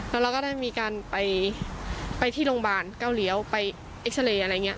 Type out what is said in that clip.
แล้วเราก็ได้มีการไปที่โรงพยาบาลเก้าเลี้ยวไปเอ็กซาเรย์อะไรอย่างนี้